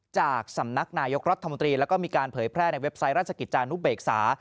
จากสำนักนายกรัฐมนตรีแล้วก็มีการเผยแพร่ในเว็บไซต์ราชกิจจานุเบกษา